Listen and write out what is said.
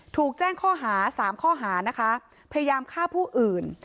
ถูกแจ้งข้อหา๓ข้อหานะคะพยายามฆ่าผู้อื่น